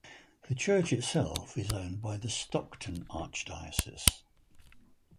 The church itself is owned by the Stockton archdiocese.